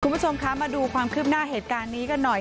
คุณผู้ชมคะมาดูความคืบหน้าเหตุการณ์นี้กันหน่อย